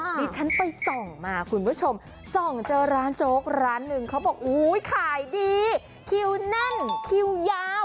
ดิฉันไปส่องมาคุณผู้ชมส่องเจอร้านโจ๊กร้านหนึ่งเขาบอกอุ้ยขายดีคิวแน่นคิวยาว